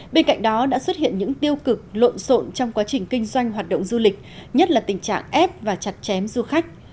bên cạnh đó đã xuất hiện những tiêu cực lộn xộn trong quá trình kinh doanh hoạt động du lịch nhất là tình trạng ép và chặt chém du khách